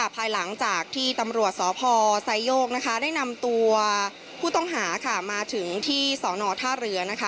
ภายหลังจากที่ตำรวจสพไซโยกได้นำตัวผู้ต้องหามาถึงที่สอนอท่าเรือนะคะ